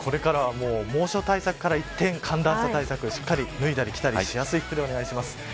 これからは猛暑対策から一転寒暖差対策脱いだり着たりしやすい服でお願いします。